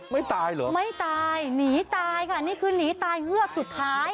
ไม่ตายเหรอไม่ตายหนีตายค่ะนี่คือหนีตายเงือกสุดท้าย